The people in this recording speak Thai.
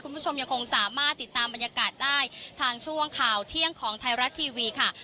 คุณผู้ชมยังคงสามารถติดตามบรรยากาศได้ทางช่วงข่าวเที่ยงของไทยรัฐทีวีค่ะ